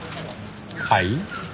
はい？